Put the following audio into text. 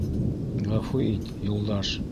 Ғәфү ит, Юлдаш!..